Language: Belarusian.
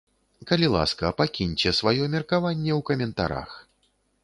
Калі ласка, пакіньце сваё меркаванне ў каментарах.